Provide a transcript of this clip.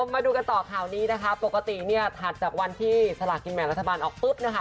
มาดูกันต่อข่าวนี้นะคะปกติเนี่ยถัดจากวันที่สลากินแบ่งรัฐบาลออกปุ๊บนะคะ